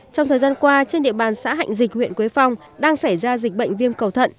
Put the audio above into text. trong thời gian qua trên địa bàn xã hạnh dịch huyện quế phong đang xảy ra dịch bệnh viêm cầu thận